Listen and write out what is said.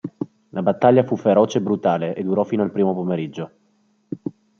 La battaglia fu feroce e brutale, e durò fino al primo pomeriggio.